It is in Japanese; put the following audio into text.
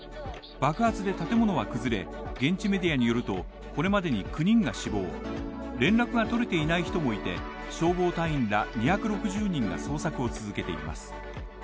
爆発で建物は崩れ、現地メディアによるとこれまでに９人が死亡、連絡が取れていない人もいて、消防隊員ら２６０人が捜索を続けています。